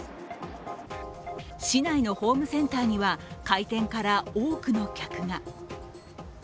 市内のホームセンターには、開店から多くの客が。